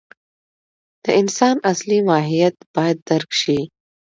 د انسان اصلي ماهیت باید درک شي.